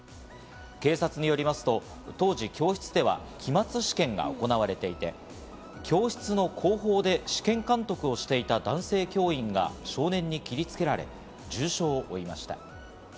警察によりますと当時教室では期末試験が行われていて、教室の後方で試験監督をしていた男性教員が少年に切りつけられ、重傷を負いました。